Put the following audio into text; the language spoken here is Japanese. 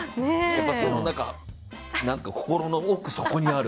その心の奥底にある。